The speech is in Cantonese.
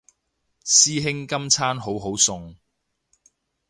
師兄今餐好好餸